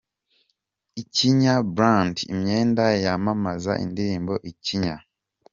Ikinya Brand imyenda yamamaza indirimbo Ikinya.